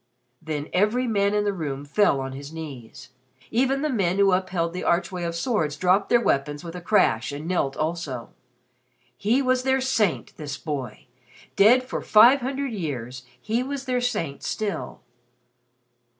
Then every man in the room fell on his knees. Even the men who had upheld the archway of swords dropped their weapons with a crash and knelt also. He was their saint this boy! Dead for five hundred years, he was their saint still.